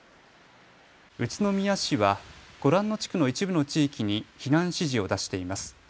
宇都宮市はご覧の地区の一部の地域に避難指示を出しています。